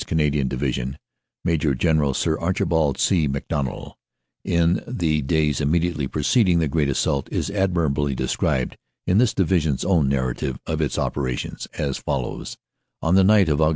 Canadian Division, Maj. General Sir Archibald C. Macdonell, in the days immediately preceding the great assault, is admirably described in this Division s own narrative of its operations, as follows: "On the night of Aug.